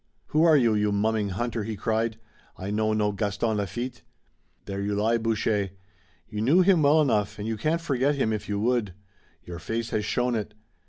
"Who are you, you mumming hunter?" he cried. "I know no Gaston Lafitte." "There you lie, Boucher. You knew him well enough and you can't forget him if you would. Your face has shown it.